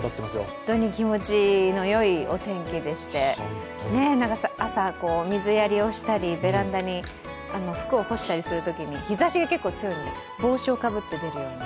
本当に気持ちのよいお天気でして、朝、水やりをしたりベランダに服を干したりするときに日ざしが結構強いので帽子をかぶって外に出て。